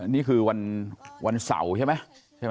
นี่คือวันเสาร์ใช่ไหม